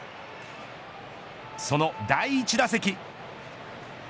その第１打席。